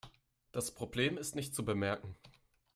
Das Problem ist nicht zu bemerken.